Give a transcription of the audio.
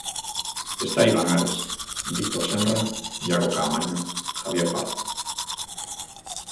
Está Iván Ares, Víctor Senra, Iago Caamaño, Javier Pardo.